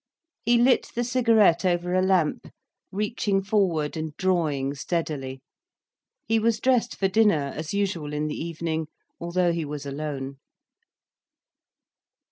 He lit the cigarette over a lamp, reaching forward and drawing steadily. He was dressed for dinner, as usual in the evening, although he was alone.